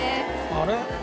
あれ？